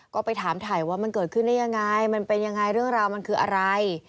ก็ไปถามถ่ายว่ามันเกิดขึ้นได้ยังไงมันเป็นยังไงเรื่องราวมันคืออะไร